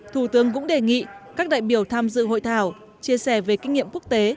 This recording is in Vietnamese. thủ tướng cũng đề nghị các đại biểu tham dự hội thảo chia sẻ về kinh nghiệm quốc tế